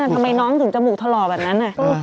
ทำไมน้องถึงจมูกถล่อแบบนั้น